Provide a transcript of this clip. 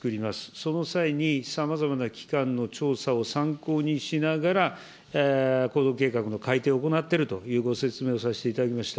その際に、さまざまな機関の調査を参考にしながら、行動計画の改定を行ってるというご説明をさせていただきました。